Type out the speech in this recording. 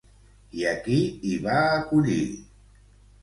I a qui hi va acollir?